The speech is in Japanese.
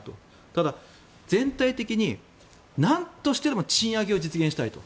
ただ、全体的になんとしてでも賃上げを実現したいと。